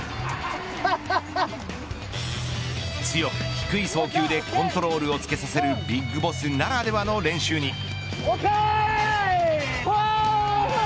強く低い送球でコントロールをつけさせるＢＩＧＢＯＳＳならではの練習に。